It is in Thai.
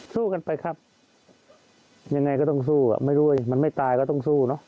สู้กันไปครับยังไงก็ต้องสู้อ่ะไม่รู้ว่ามันไม่ตายก็ต้องสู้เนอะ